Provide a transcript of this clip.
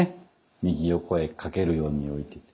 右横へかけるように置いて。